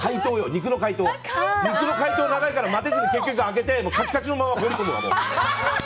肉の解凍、長いから待てずに結局開けてカチカチのまま放り込むわ。